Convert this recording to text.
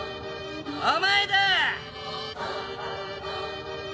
お前だ！